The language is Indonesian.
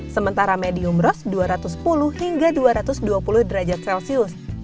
sementara medium ros dua ratus sepuluh hingga dua ratus dua puluh derajat celcius